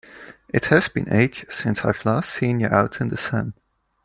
It has been ages since I've last seen you out in the sun!